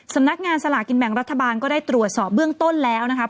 สำนักงานสลากินแบ่งรัฐบาลก็ได้ตรวจสอบเบื้องต้นแล้วนะครับ